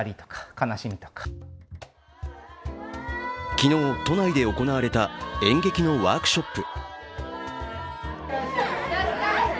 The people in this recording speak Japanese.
昨日都内で行われた演劇のワークショップ。